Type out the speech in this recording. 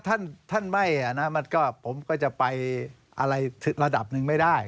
ท่านไม่ผมก็จะไปอะไรระดับหนึ่งไม่ได้